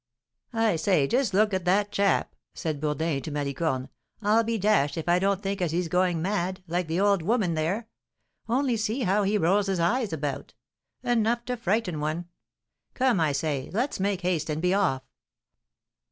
"I say, just look at that chap!" said Bourdin to Malicorne. "I'll be dashed if I don't think as he's a going mad, like the old woman there! Only see how he rolls his eyes about, enough to frighten one! Come, I say, let's make haste and be off.